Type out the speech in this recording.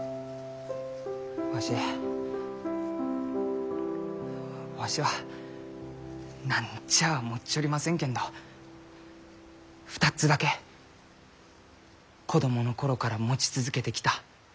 わしわしは何ちゃあ持っちょりませんけんど２つだけ子供の頃から持ち続けてきた大切なものがありました。